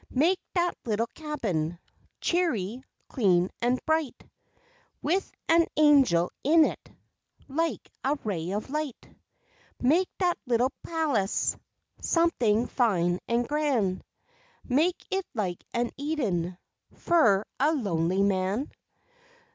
Make dat little cabin Cheery, clean an' bright, With an' angel in it Like a ray of light? Make dat little palace Somethin' fine an' gran', Make it like an Eden, Fur a lonely man?